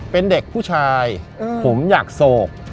เป็นเด็กผู้ชายผมอยากโศก